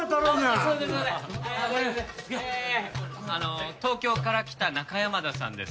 あの東京から来た中山田さんです。